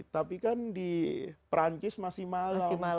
tapi kan di perancis masih malam